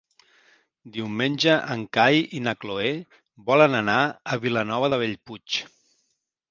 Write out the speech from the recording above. Diumenge en Cai i na Cloè volen anar a Vilanova de Bellpuig.